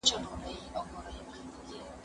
زه اجازه لرم چي خواړه ورکړم؟